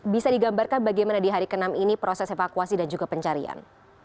bisa digambarkan bagaimana di hari ke enam ini proses evakuasi dan juga pencarian